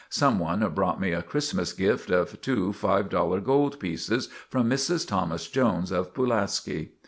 Some one brought me a Christmas gift of two five dollar gold pieces from Mrs. Thomas Jones of Pulaski.